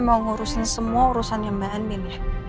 mau ngurusin semua urusannya mbak andien